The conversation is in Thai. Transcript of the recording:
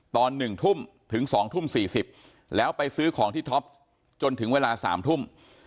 ตอน๑ทุ่มถึง๒ทุ่ม๔๐แล้วไปซื้อของที่ท็อปจนถึงเวลา๓ทุ่ม